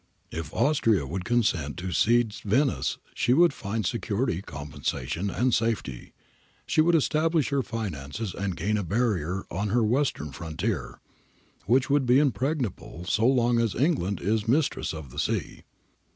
... If Austria would consent to cede Venice she would find security, compensation, and safety. She would re establish her finances and gain a barrier on her Western frontier which would be impregnable so long as England is mistress of the sea.'